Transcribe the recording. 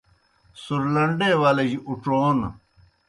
سُرلنڈے ولِجیْ اُڇھون